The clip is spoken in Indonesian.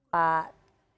pak tito kornavian